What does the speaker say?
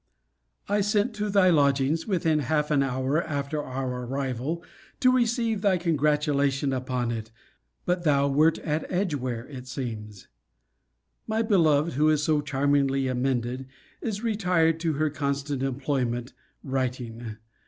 I sent to thy lodgings within half an hour after our arrival, to receive thy congratulation upon it, but thou wert at Edgeware, it seems. My beloved, who is charmingly amended, is retired to her constant employment, writing.